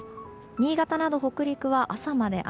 新潟など北陸は朝まで雨。